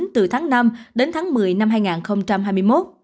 từ tháng năm đến tháng một mươi năm hai nghìn hai mươi một